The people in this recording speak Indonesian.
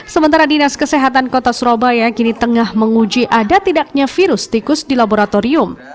sementara dinas kesehatan kota surabaya kini tengah menguji ada tidaknya virus tikus di laboratorium